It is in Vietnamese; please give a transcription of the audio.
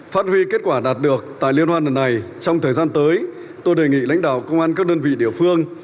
phát huy kết quả đạt được tại liên hoan lần này trong thời gian tới tôi đề nghị lãnh đạo công an các đơn vị địa phương